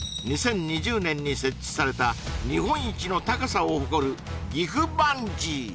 ２０２０年に設置された日本一の高さを誇る岐阜バンジー